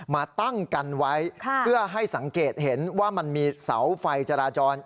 มาตั้งกันไว้เพื่อให้สังเกตเห็นว่ามันมีเสาไฟจราจร